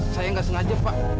saya nggak sengaja pak